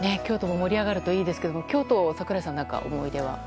盛り上がるといいですけど京都は、櫻井さんは思い出は？